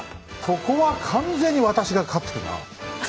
そこは完全に私が勝ってるな。